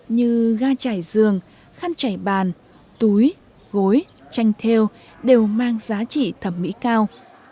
như ga chải giường khăn chải bàn túi gối chanh theo đều mang giá trị thẩm mỹ cao